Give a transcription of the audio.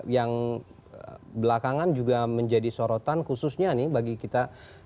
yang belakangan juga menjadi sorotan khususnya nih bagi kita